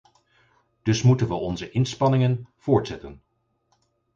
Dus moeten we onze inspanningen voortzetten.